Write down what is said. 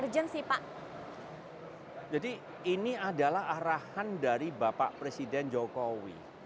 jadi ini adalah arahan dari bapak presiden jokowi